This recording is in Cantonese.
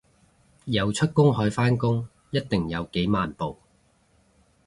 游出公海返工一定有幾萬步